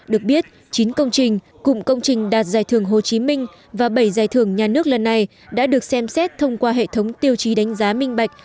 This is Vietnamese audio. được biết chín công trình cụm công trình đạt giải thưởng hồ chí minh và bảy giải thưởng nhà nước lần này đã được xem xét thông qua hệ thống tiêu chí đánh giá minh bạch